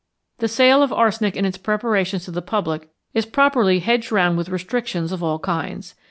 The sale of arsenic and its preparations to the public is properly hedged round with restrictions of all kinds.